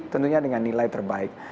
tentunya dengan nilai terbaik